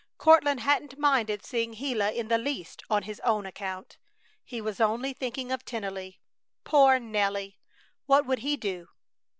Court hadn't minded seeing Gila in the least on his own account. He was only thinking of Tennelly. Poor Nelly! What would he do?